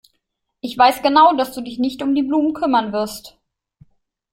Ich weiß genau, dass du dich nicht um die Blumen kümmern wirst.